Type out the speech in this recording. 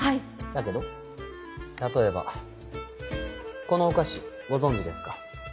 だけど例えばこのお菓子ご存じですか？